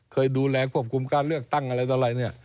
เคยดูแลกับคุณการเลือกตั้งอะไรต่อไร